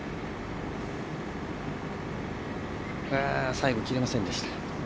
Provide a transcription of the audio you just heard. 最後、切れませんでした。